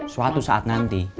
suatu saat nanti